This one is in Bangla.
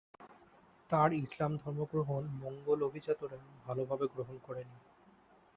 তার ইসলাম ধর্ম গ্রহণ মঙ্গোল অভিজাতরা ভাল ভাবে গ্রহণ করে নি।